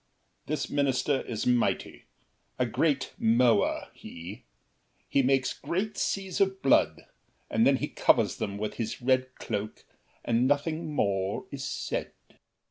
This minister Is mighty. A great mower, he! He makes Great seas of blood, and then he covers them With his red cloak and nothing more is said.